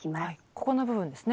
ここの部分ですね。